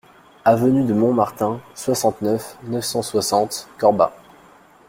Avenue de Montmartin, soixante-neuf, neuf cent soixante Corbas